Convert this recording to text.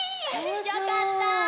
よかった。